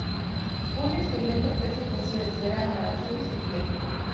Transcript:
Pune experimenta tres estaciones: verano, las lluvias y el invierno.